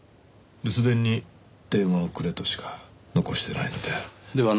留守電に電話をくれとしか残してないので。